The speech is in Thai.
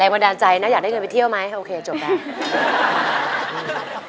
บันดาลใจนะอยากได้เงินไปเที่ยวไหมโอเคจบแล้ว